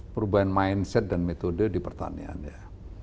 perubahan mindset dan metode di pertanian ya